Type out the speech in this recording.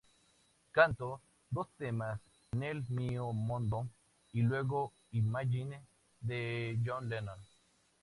Cantó dos temas: "Nel mio mondo" y luego "Imagine", de John Lennon.